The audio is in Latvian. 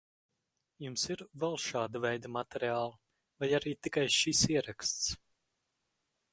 Jums ir vēl šāda veida materiāli, vai arī tikai šis ieraksts?